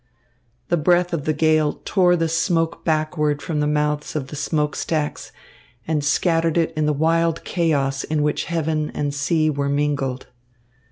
The breath of the gale tore the smoke backward from the mouths of the smoke stacks and scattered it in the wild chaos in which heaven and sea were mingled.